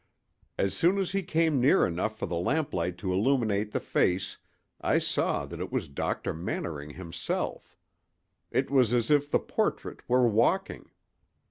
As soon as he came near enough for the lamplight to illuminate the face I saw that it was Dr. Mannering himself; it was as if the portrait were walking!